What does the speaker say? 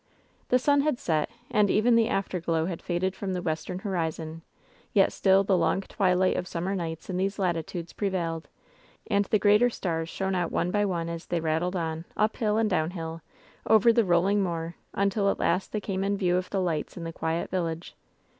The sun had set, and even the afterglow had faded from the western horizon ; yet still the long twilight of summer nights in these latitudes prevailed, and the greater stars shone out one by one as they rattled on,^ uphill and downhill, over the rolling moor, until at last they came in view of the lights in the quiet village.